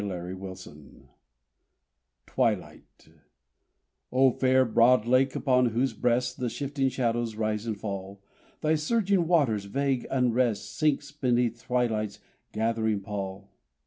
LAKE WINNEPESEOGEE (TWILIGHT) O fair, broad Lake, upon whose breast The shifting shadows rise and fall, Thy surging waters' vague unrest Sinks beneath twilight's gathering pall.